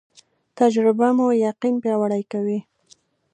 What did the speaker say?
تجربه مو یقین پیاوړی کوي